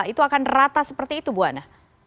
itu akan rata seperti itu bu anna